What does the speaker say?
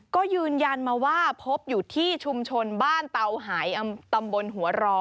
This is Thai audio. ก็ยืนยันมาว่าพบอยู่ที่ชุมชนบ้านเตาหายตำบลหัวรอ